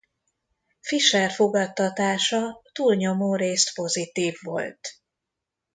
Fisher fogadtatása túlnyomórészt pozitív volt.